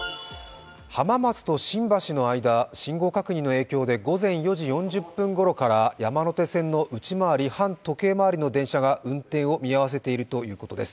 浜松と新橋の間、信号確認の影響で午前４時４０分ごろから山手線の内回り、反時計回りで運転を見合わせているということです。